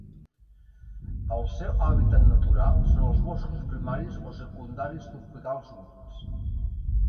El seu hàbitat natural són els boscos primaris o secundaris tropicals humits.